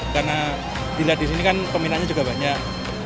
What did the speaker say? karena bila di sini kan peminatnya juga banyak